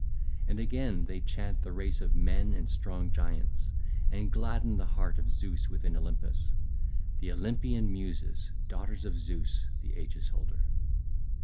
And again, they chant the race of men and strong giants, and gladden the heart of Zeus within Olympus,—the Olympian Muses, daughters of Zeus the aegis holder.